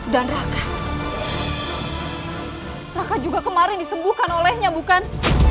dan raka raka juga kemarin disembuhkan olehnya bukan